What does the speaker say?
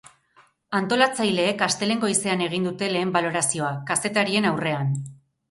Antolatzaileek astelehen goizean egin dute lehen balorazioa, kazetarien aurrean.